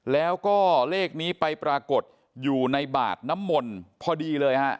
แล้วก็เลขนี้ไปปรากฏอยู่ในบาทน้ำมนต์พอดีเลยฮะ